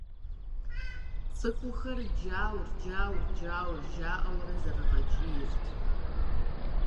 Цӏыхухэр «Джаур! Джаур! Джаур!» - жаӀэурэ зэрыгъэкӀийрт.